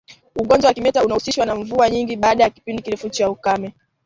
Ugonjwa wa kimeta unahusishwa na mvua nyingi baada ya kipindi kirefu cha ukame